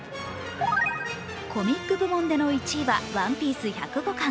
コミック部門での１位は「ＯＮＥＰＩＥＣＥ」１０５巻。